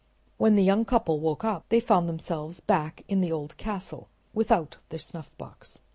When the young couple woke up they found themselves back in the old castle, without their snuffbox.